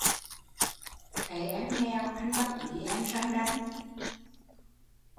Thấy em nghèo, anh bắt bí em răng đành